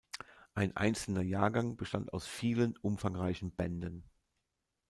Ein einzelner Jahrgang bestand aus vielen umfangreichen Bänden.